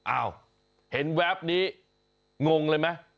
อ้าวเห็นแวบนี้งงเลยไหม